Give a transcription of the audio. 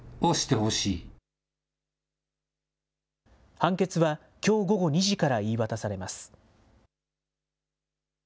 判決はきょう午後２時から言い渡されます。